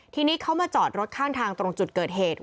ทีนี้เขามาจอดรถข้างทางตรงจุดเกิดเหตุ